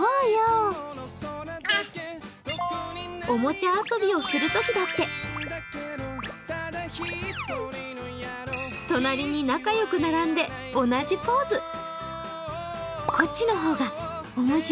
おもちゃ遊びをするときだって隣に仲良く並んで、同じポーズ。